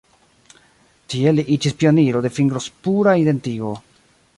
Tiel li iĝis pioniro de fingrospura identigo.